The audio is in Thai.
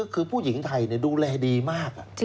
คือผู้หญิงไทยดูแลดีมาก